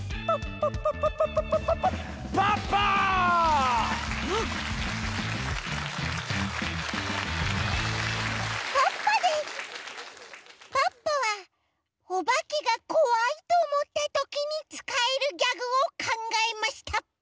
ポッポはおばけがこわいとおもったときにつかえるギャグをかんがえました。